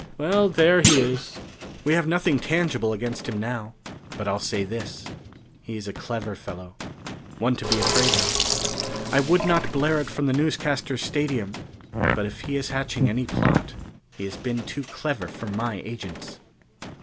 "Well, there he is. We have nothing tangible against him now. But I'll say this: he's a clever fellow, one to be afraid of. I would not blare it from the newscasters' stadium, but if he is hatching any plot, he has been too clever for my agents!"